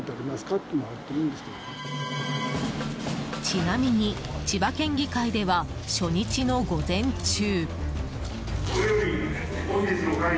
ちなみに千葉県議会では初日の午前中。